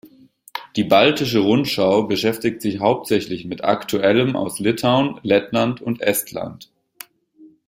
Die Baltische Rundschau beschäftigt sich hauptsächlich mit Aktuellem aus Litauen, Lettland und Estland.